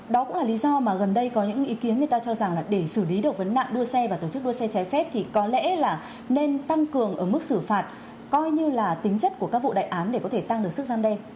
đó cũng là lý do mà gần đây có những ý kiến người ta cho rằng là để xử lý được vấn nạn đua xe và tổ chức đua xe trái phép thì có lẽ là nên tăng cường ở mức xử phạt coi như là tính chất của các vụ đại án để có thể tăng được sức gian đe